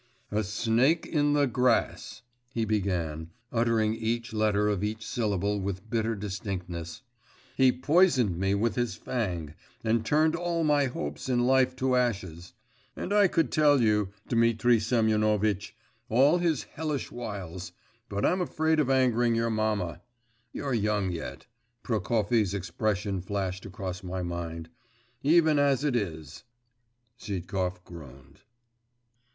'A snake in the grass,' he began, uttering each letter of each syllable with bitter distinctness, 'has poisoned me with his fang, and turned all my hopes in life to ashes. And I could tell you, Dmitri Semyonovitch, all his hellish wiles, but I'm afraid of angering your mamma.' ('You're young yet' Prokofy's expression flashed across my mind.) 'Even as it is' Zhitkov groaned.